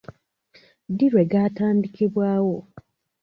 Ddi lwe gaatandikibwawo?